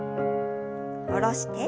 下ろして。